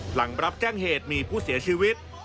หลังรับแจ้งเหตุมีผู้เสียชีวิต